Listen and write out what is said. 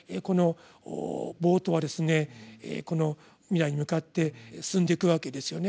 このボートは未来に向かって進んでいくわけですよね。